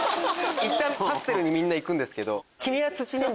いったんパステルにみんな行くんですけど。